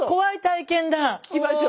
聞きましょう。